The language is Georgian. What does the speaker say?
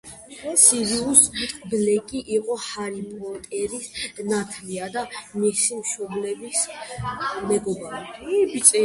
სირიუს ბლეკი იყო ჰარი პოტერის ნათლია და მისი მშობლების მეგობარი.